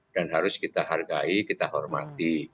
dan harus kita hargai kita hormati